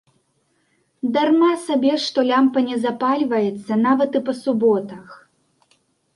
Дарма сабе што лямпа не запальваецца нават і па суботах.